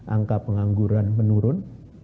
angka pengangguran menurun